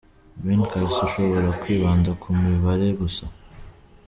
Ben Carson ushobora kwibanda ku mibare gusa.